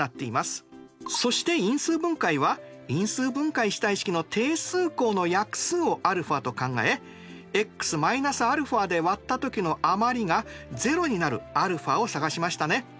そして因数分解は因数分解したい式の定数項の約数をαと考えｘ−αでわったときの余りが０になるαを探しましたね。